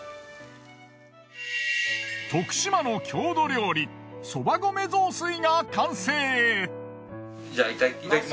徳島の郷土料理そば米雑炊が完成。